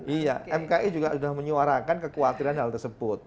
iya mki juga sudah menyuarakan kekhawatiran hal tersebut